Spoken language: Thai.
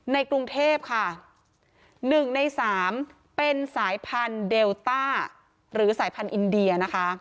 ในกรุงเทพค่ะ๑ใน๓เป็นสายพันธุ์เดลต้าหรือสายพันธุ์อินเดียนะคะ